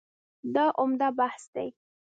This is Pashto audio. دا عمده بحث دی.